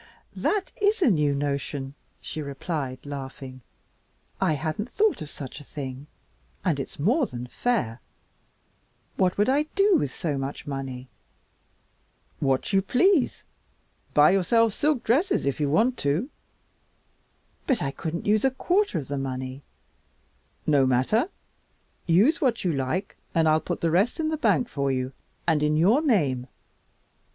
"That IS a new notion," she replied, laughing. "I hadn't thought of such a thing and it's more than fair. What would I do with so much money?" "What you please. Buy yourself silk dresses if you want to." "But I couldn't use a quarter of the money." "No matter, use what you like and I'll put the rest in the bank for you and in your name.